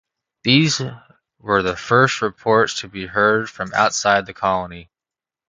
These were the first reports to be heard from outside the colony.